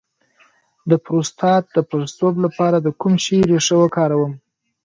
د پروستات د پړسوب لپاره د کوم شي ریښه وکاروم؟